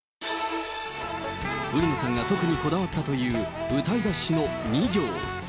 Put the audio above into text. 売野さんが特にこだわったという歌い出しの２行。